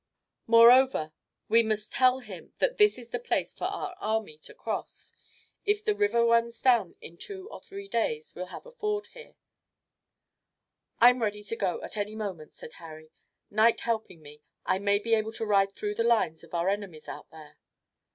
Moreover, we must tell him that this is the place for our army to cross. If the river runs down in two or three days we'll have a ford here." "I'm ready to go at any moment," said Harry. "Night helping me, I may be able to ride through the lines of our enemies out there."